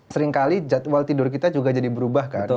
seringkali jadwal tidur kita juga jadi berubah kan